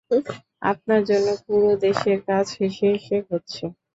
আপনার জন্য, পুরো দেশের কাজ হেসে হেসে হচ্ছে!